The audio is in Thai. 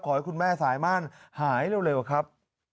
ขอให้คุณแม่สายมั่นหายเร็วครับ